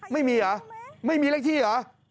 ไม่มีเหรอไม่มีเลขที่เหรอ